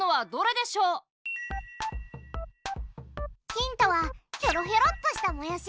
ヒントはひょろひょろっとしたもやし。